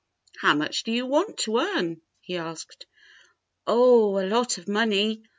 "How much do you want to earn.^^" he asked. "Oh, a lot of money.